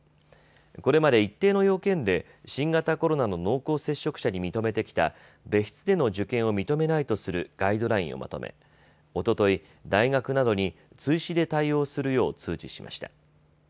これまで一定の要件で新型コロナの濃厚接触者に認めてきた別室での受験を認めないとするガイドラインをまとめおととい、大学などに追試で対応するよう通知しました。